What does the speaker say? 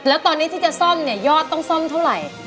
แล้วตอนนี้ที่จะซ่อมเนี่ยยอดต้องซ่อมเท่าไหร่